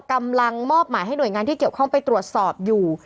กำลังมอบหมายให้หน่วยงานที่เกี่ยวข้องไปตรวจสอบอยู่